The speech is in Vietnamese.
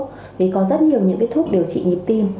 thì có rất nhiều những cái thuốc điều trị nhịp tim